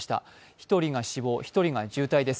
１人が死亡、１人が重体です。